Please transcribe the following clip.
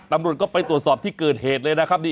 ตำรวจก็ไปตรวจสอบที่เกิดเหตุเลยนะครับ